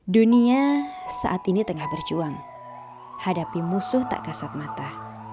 dunia saat ini tengah berjuang hadapi musuh tak kasat mata